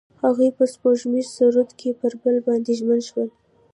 هغوی په سپوږمیز سرود کې پر بل باندې ژمن شول.